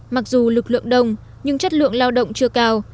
mặc dù lực lượng đông nhưng chất lượng lao động chưa cao